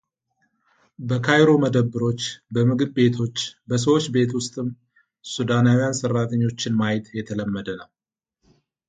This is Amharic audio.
በካይሮ መደብሮች በምግብ ቤቶች በሰዎች ቤት ውስጥም ሱዳናውያን ሠራተኞች ማየት የተለመደ ነው።